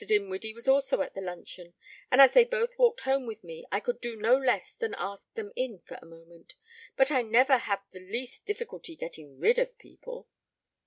Dinwiddie was also at the luncheon, and as they both walked home with me I could do no less than ask them in for a moment. But I never have the least difficulty getting rid of people."